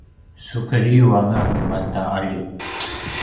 sukedriu anga keman ta alju